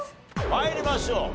参りましょう。